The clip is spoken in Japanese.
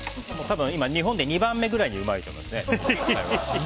多分、今、日本で２番目ぐらいにうまいと思います。